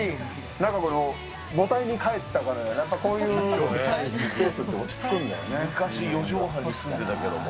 なんかこの、母胎に帰ったかのような、やっぱこういうスペースって落ち着くん昔４畳半に住んでたけども。